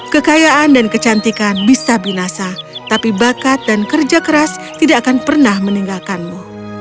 kekayaan dan kecantikan bisa binasa tapi bakat dan kerja keras tidak akan pernah meninggalkanmu